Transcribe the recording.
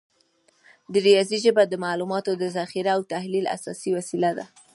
د ریاضي ژبه د معلوماتو د ذخیره او تحلیل اساسي وسیله ده.